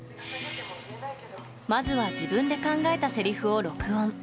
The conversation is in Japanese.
まずは自分で考えたせりふを録音。